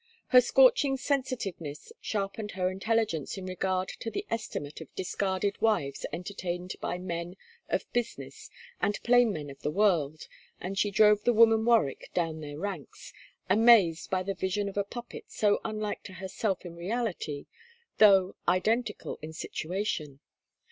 Her scorching sensitiveness sharpened her intelligence in regard to the estimate of discarded wives entertained by men of business and plain men of the world, and she drove the woman Warwick down their ranks, amazed by the vision of a puppet so unlike to herself in reality, though identical in situation.